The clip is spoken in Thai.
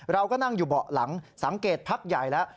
เราก็นั่งอยู่เบาะหลังสังเกตพักใหญ่แล้ว